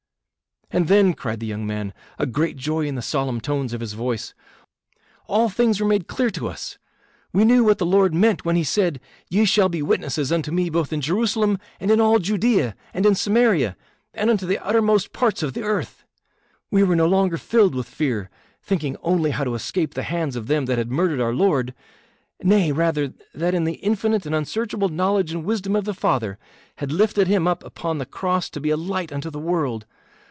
"And then," cried the young man, a great joy in the solemn tones of his voice, "all things were made clear to us. We knew what the Lord meant when he said 'Ye shall be witnesses unto me both in Jerusalem, and in all Judea, and in Samaria, and unto the uttermost parts of the earth.' We were no longer filled with fear, thinking only how to escape the hands of them that had murdered our Lord nay, rather, that in the infinite and unsearchable knowledge and wisdom of the Father had lifted him up upon the cross to be a light unto the world.